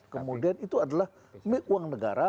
kemudian itu adalah uang negara